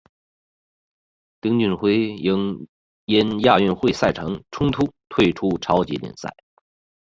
丁俊晖因亚运会赛程冲突退出超级联赛。